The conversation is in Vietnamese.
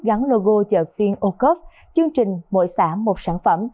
gắn logo chợ phiên ocov chương trình mỗi xã một sản phẩm